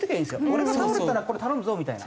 「俺が倒れたらこれ頼むぞ」みたいな。